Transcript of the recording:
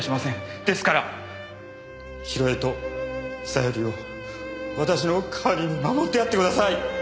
ですから広江と小百合を私の代わりに守ってやってください。